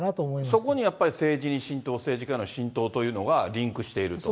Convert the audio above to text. そこにやっぱり、政治に浸透、政治家への浸透というのが、リンクしていると。